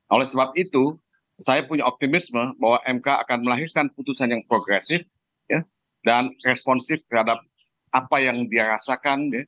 oleh sebab itu saya punya optimisme bahwa mk akan melahirkan putusan yang progresif dan responsif terhadap apa yang dia rasakan